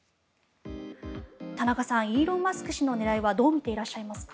田中さん、イーロン・マスク氏の狙いはどう見ていらっしゃいますか。